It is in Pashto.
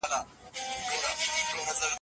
دا لاره تر بلې هرې لارې ډېره لنډه ده.